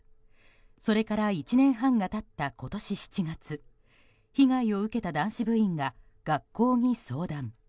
それから１年半が経った今年７月被害を受けた男子部員が学校に相談。